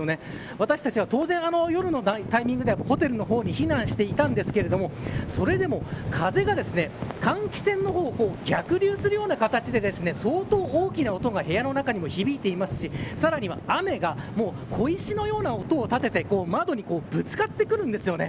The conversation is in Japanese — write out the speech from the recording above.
私たちは当然夜のタイミングではホテルの方に避難していたんですけれどもそれでも風が換気扇を逆流するような形で相当大きな音が部屋の中にも響いていますしさらには雨が小石のような音を立てて窓にぶつかってくるんですよね。